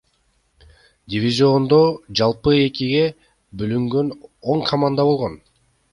Дивизиондо жалпы экиге бөлүнгөн он команда болгон.